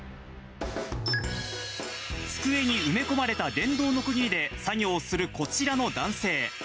机に埋め込まれた電動のこぎりで作業をするこちらの男性。